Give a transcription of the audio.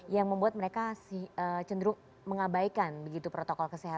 yang membuat mereka cenderung mengabaikan begitu protokol kesehatan